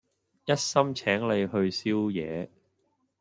一心請你去宵夜